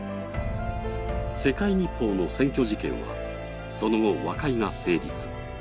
「世界日報」の占拠事件は、その後、和解が成立。